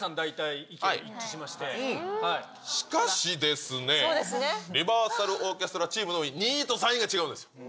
あれはもう、しかしですね、リバーサルオーケストラチームは、２位と３位が違うんです。